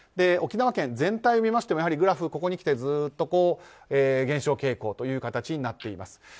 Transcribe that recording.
沖縄県全体を見ましてもグラフがここにきてずっと減少傾向という形になっています。